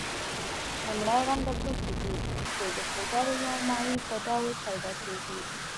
لومړی رنګه توکي دي چې د پوډرو یا مایع په ډول پیدا کیږي.